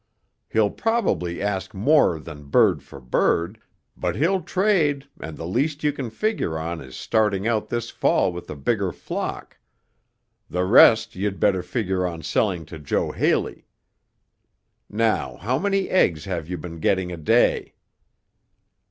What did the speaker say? He'll probably ask more than bird for bird, but he'll trade and the least you can figure on is starting out this fall with a bigger flock. The rest you'd better figure on selling to Joe Haley. Now how many eggs have you been getting a day?"